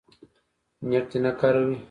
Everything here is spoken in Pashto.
نېټ دې نه کاروي